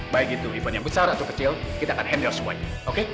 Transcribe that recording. baik itu event yang besar atau kecil kita akan handle semuanya